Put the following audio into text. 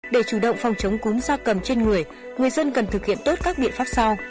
để chủ động phòng chống cúm gia cầm trên người người dân cần thực hiện tốt các biện pháp sau